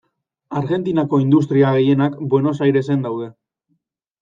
Argentinako industria gehienak Buenos Airesen daude.